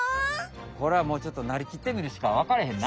これはもうちょっとなりきってみるしかわかれへんな。